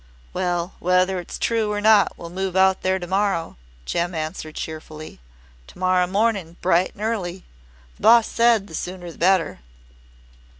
"Well, whether it's true or not we'll move out there to morrow," Jem answered cheerfully. "To morrow morning bright and early. The boss said the sooner the better."